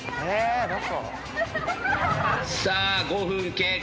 さあ５分経過。